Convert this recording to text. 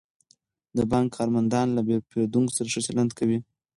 د بانک کارمندان له پیرودونکو سره ښه چلند کوي.